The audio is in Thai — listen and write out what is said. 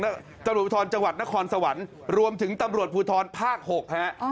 และตำรวจภูทรจังหวัดนครสวรรค์รวมถึงตำรวจภูทรภาค๖ฮะ